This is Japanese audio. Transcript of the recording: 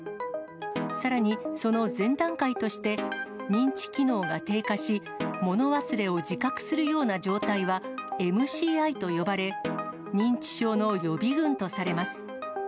さらに、その前段階として、認知機能が低下し、物忘れを自覚するような状態は、ＭＣＩと呼ばれ、認知症の予備軍とされます。